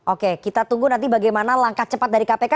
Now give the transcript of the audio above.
oke kita tunggu nanti bagaimana langkah cepat dari kpk